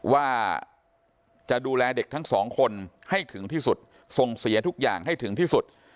ว่าจะดูแลเด็กทั้งสองคนให้ถึงที่สุดส่งเสียทุกอย่างให้ถึงที่สุด